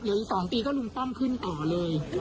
เดี๋ยวอีก๒ปีก็ลุงต้องขึ้นต่อเลย